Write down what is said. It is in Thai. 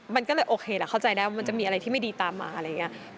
มันก็เลยโอเคแหละเข้าใจได้ว่ามันจะมีอะไรที่ไม่ดีตามมาอะไรอย่างนี้